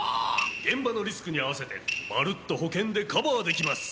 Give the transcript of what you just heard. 現場のリスクに合わせてまるっと保険でカバーできます！